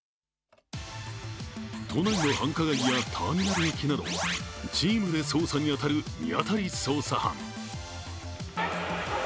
都内の繁華街やターミナル駅などチームで捜査に当たる見当たり捜査班。